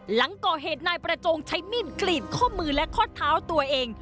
หลังก่อเหตุนายประจงใช้มีดกรีดข้อมือและข้อเท้าตัวเอง